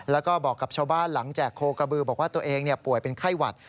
แล้วก็บอกกับชาวบ้านหลังแจกโคกระบือบอกว่าตัวเองป่วยเป็นไข้หวัด